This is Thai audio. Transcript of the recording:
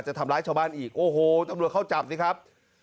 ทำร้ายชาวบ้านอีกโอ้โหตำรวจเข้าจับสิครับ